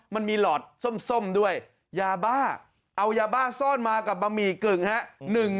หลอดส้มด้วยยาบ้าเอายาบ้าซ่อนมากับบะหมี่กึ่งฮะ